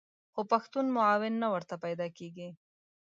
خو پښتون معاون نه ورته پیدا کېږي.